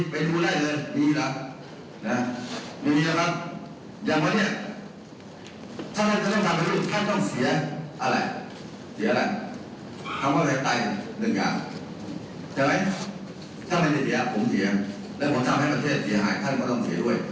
และถ้าเราทำให้ประเทศเขียงแล้วปล่อยก็ต้องเขียนด้วย